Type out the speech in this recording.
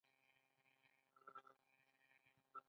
د افغانستان د اقتصادي پرمختګ لپاره پکار ده چې تیاتر وي.